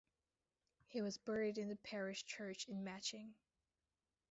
He was buried in the parish church in Matching.